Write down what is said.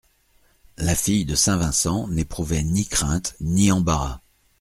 La fille de Saint-Vincent n'éprouvait ni crainte ni embarras.